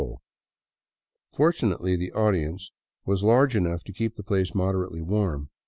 Fortunately the audience was large enough to keep .the place moderately warm.